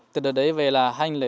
từ đó đến về là